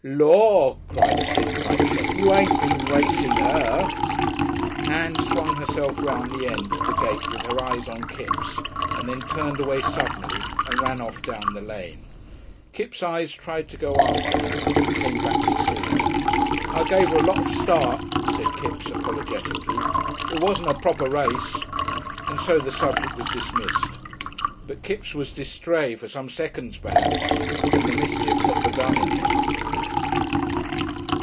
"Lor!" cried Sid, quite shocked. "You ain't been racing her!" Ann swung herself round the end of the gate with her eyes on Kipps, and then turned away suddenly and ran off down the lane. Kipps' eyes tried to go after her, and came back to Sid's. "I give her a lot of start," said Kipps apologetically. "It wasn't a proper race." And so the subject was dismissed. But Kipps was distrait for some seconds, perhaps, and the mischief had begun in him.